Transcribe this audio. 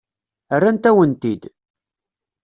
Rrant-awen-t-id.